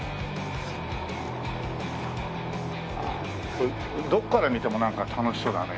これどこから見てもなんか楽しそうだね。